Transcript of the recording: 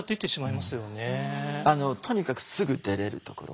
とにかくすぐ出れるところ。